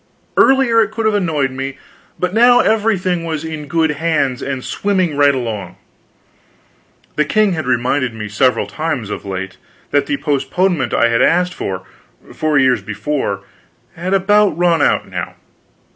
Earlier it could have annoyed me, but now everything was in good hands and swimming right along. The king had reminded me several times, of late, that the postponement I had asked for, four years before, had about run out now.